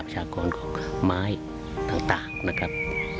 ชากรของไม้ต่างนะครับ